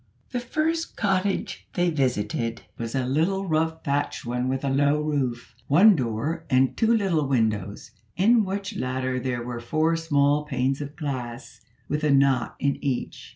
The first cottage they visited was a little rough thatched one with a low roof; one door, and two little windows, in which latter there were four small panes of glass, with a knot in each.